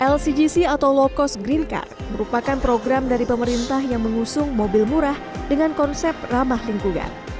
lcgc atau low cost green car merupakan program dari pemerintah yang mengusung mobil murah dengan konsep ramah lingkungan